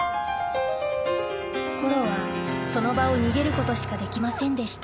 コロはその場を逃げることしかできませんでした